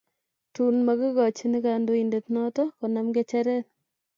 Tun makekochini kandindet not konam ngecheret